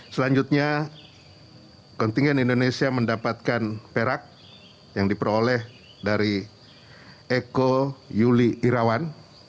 selanjutnya kontingen indonesia mendapatkan perak yang diperoleh dari eko yuli irawan